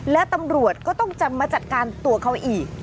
และตำรวจก็ต้องจะมาจัดการตัวเขาอีก